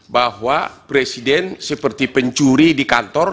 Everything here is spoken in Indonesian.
bahwa presiden seperti pencuri di kantor